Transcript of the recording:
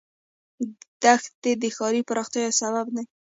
دښتې د ښاري پراختیا یو سبب دی.